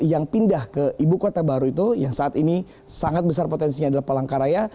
yang pindah ke ibu kota baru itu yang saat ini sangat besar potensinya adalah palangkaraya